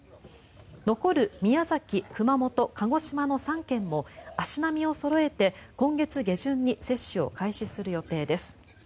残る宮崎、熊本、鹿児島の３県も足並みをそろえて今月下旬に接種を開始する予定です。